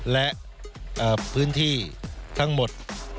และพื้นที่ทั้งหมด